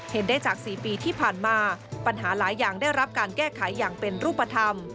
เห็นได้จาก๔ปีที่ผ่านมาปัญหาหลายอย่างได้รับการแก้ไขอย่างเป็นรูปธรรม